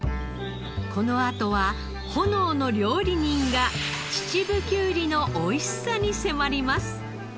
このあとは炎の料理人が秩父きゅうりのおいしさに迫ります。